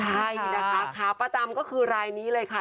ใช่นะคะขาประจำก็คือรายนี้เลยค่ะ